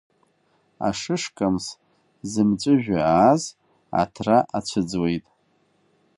Ашышкамс зымҵәыжәҩа ааз, аҭра ацәыӡуеит.